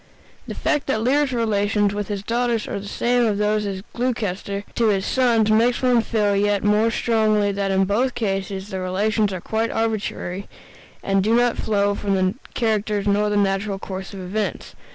The fact that Lear's relations with his daughters are the same as those of Gloucester to his sons makes one feel yet more strongly that in both cases the relations are quite arbitrary, and do not flow from the characters nor the natural course of events.